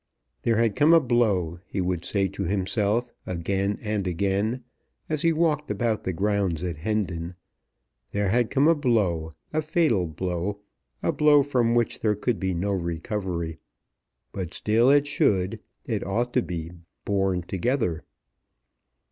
There had come a blow, he would say to himself, again and again, as he walked about the grounds at Hendon, there had come a blow, a fatal blow, a blow from which there could be no recovery, but, still, it should, it ought, to be borne together.